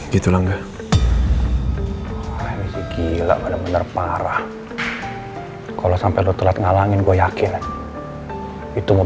gitu langga gila bener bener parah kalau sampai lo telat ngalangin gue yakin itu